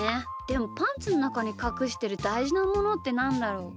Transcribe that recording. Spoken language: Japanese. でもパンツのなかにかくしてるだいじなものってなんだろう？